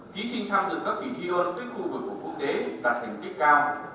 ký sinh tham dự các kỳ thi đôn với khu vực của quốc tế đạt thành tích cao